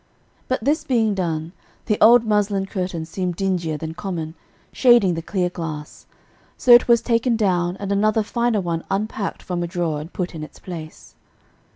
But this being done, the old muslin curtain seemed dingier than common, shading the clear glass; so it was taken down, and another finer one unpacked from a drawer and put in its place.